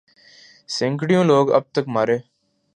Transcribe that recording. سینکڑوں لوگ اب تک مارے